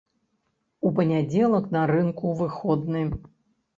У панядзелак на рынку выходны.